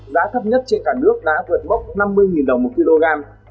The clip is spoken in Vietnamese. giá thấp nhất trên cả nước đã vượt mốc năm mươi đồng một kg